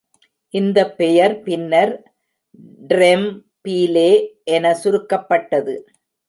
இந்த பெயர் பின்னர் ட்ரெம்பீலே என சுருக்கப்பட்டது.